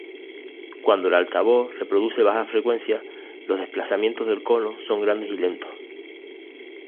Cuando el altavoz reproduce bajas frecuencias, los desplazamientos del cono son grandes y lentos.